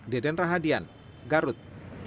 deden rahadian garut